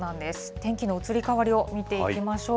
天気の移り変わりを見ていきましょう。